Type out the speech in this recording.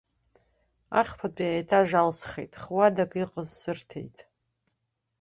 Ахԥатәи аетаж алсхит, х-уадак иҟаз сырҭеит.